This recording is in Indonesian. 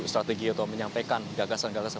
strategi atau menyampaikan gagasan gagasan